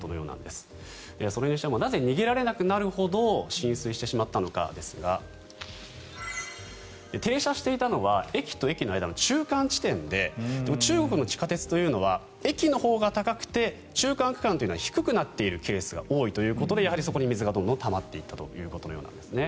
それにしてもなぜ逃げられなくなるほど浸水してしまったのかですが停車していたのは駅と駅の間の中間地点で中国の地下鉄というのは駅のほうが高くて中間区間というのは低くなってるケースが多いということでやはりそこに水がどんどんたまっていったということのようなんですね。